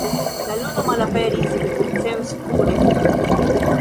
La luno malaperis senspure.